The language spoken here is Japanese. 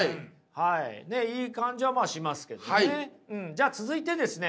じゃあ続いてですね